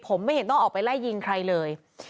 ผมไม่เห็นต้องออกไปไล่ยิงใครเลย